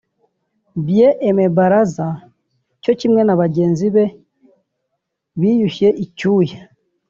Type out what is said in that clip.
Bien Aime Baraza cyo kimwe na bagenzi be biyushye icyuya